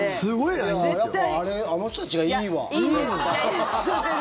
やっぱあの人たちがいいわ。